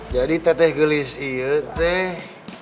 jadi teteh gelis iya teh